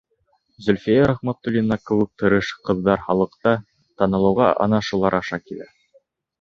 Зөлфиә Рәхмәтуллина кеүек тырыш ҡыҙҙар халыҡта танылыуға ана шулар аша килә.